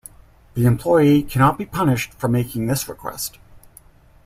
The employee cannot be punished for making this request.